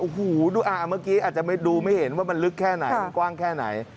โอ้โหดูเมื่อกี้อาจจะดูไม่เห็นว่ามันลึกแค่ไหนมันกว้างแค่ไหน